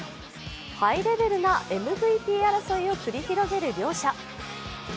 ハイレベルなＭＶＰ争いを繰り広げる両者。